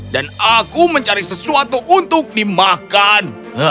dan aku mencari sesuatu untuk dimakan